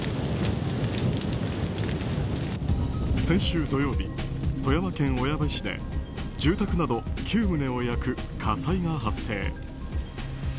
先週土曜日、富山県小矢部市で住宅など９棟を焼く火災が発生。